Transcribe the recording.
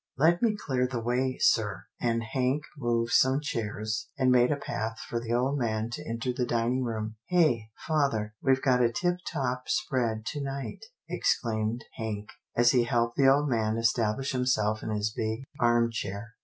Let me clear the way, sir," and Hank moved some chairs, and made a path for the old man to enter the dining room. " Hey ! father — we've got a tip top spread to night," exclaimed Hank, as he helped the old man establish himself in his big armchair.